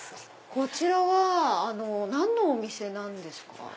こちらは何のお店なんですか？